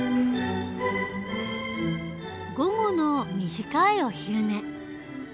午後の短いお昼寝。